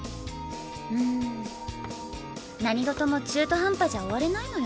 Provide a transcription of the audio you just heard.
ん何事も中途半端じゃ終われないのよ